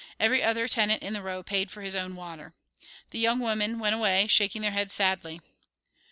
Every other tenant in the row paid for his own water. The young women went away shaking their heads sadly.